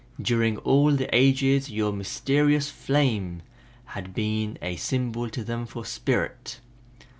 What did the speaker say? During all the ages your mysterious flame has been a symbol to them for Spirit.